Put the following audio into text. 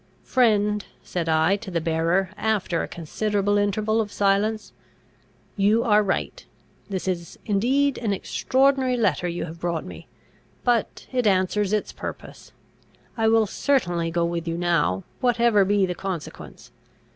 "Friend," said I to the bearer, after a considerable interval of silence, "you are right. This is, indeed, an extraordinary letter you have brought me; but it answers its purpose. I will certainly go with you now, whatever be the consequence.